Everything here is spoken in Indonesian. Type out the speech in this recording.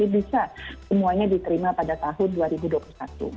bisa semuanya diterima pada tahun dua ribu dua puluh satu